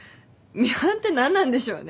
ミハンって何なんでしょうね？